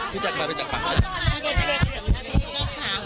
พี่จัดมา